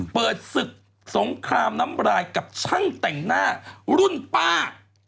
เปิดศึกสงครามน้ำรายกับช่างแต่งหน้ารุ่นป้า